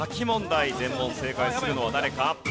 全問正解するのは誰か？